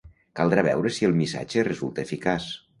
Caldrà veure si el missatge resulta eficaç